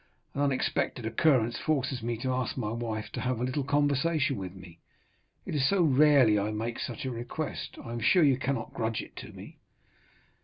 An unexpected occurrence forces me to ask my wife to have a little conversation with me; it is so rarely I make such a request, I am sure you cannot grudge it to me."